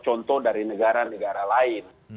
contoh dari negara negara lain